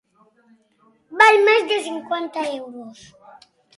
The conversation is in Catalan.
Val més de cinquanta euros.